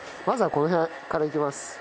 まずはこの辺からいきます。